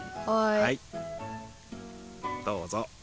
はいどうぞ。